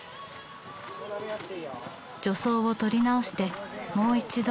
助走を取り直してもう一度。